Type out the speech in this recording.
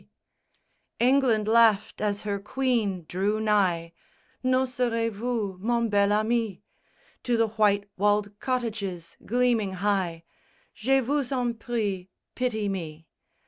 _ VII England laughed as her queen drew nigh, N'oserez vous, mon bel ami? To the white walled cottages gleaming high, Je vous en prie, pity me!